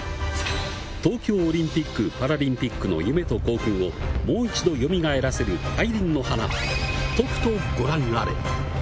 東京オリンピック・パラリンピックの夢と希望をもう一度よみがえらせる大輪の花。